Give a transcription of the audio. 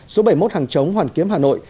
số bảy mươi một hàng chống hoàn kiếm hà nội